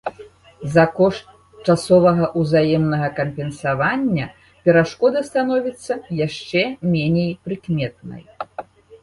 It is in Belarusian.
За кошт часовага ўзаемнага кампенсавання, перашкода становіцца яшчэ меней прыкметнай.